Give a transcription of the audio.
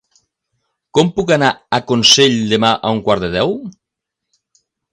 Com puc anar a Consell demà a un quart de deu?